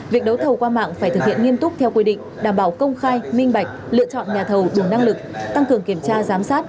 việc đấu thầu qua mạng phải thực hiện nghiêm túc theo quy định đảm bảo công khai minh bạch lựa chọn nhà thầu đủ năng lực tăng cường kiểm tra giám sát